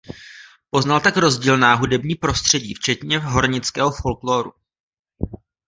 Poznal tak rozdílná hudební prostředí včetně hornického folklóru.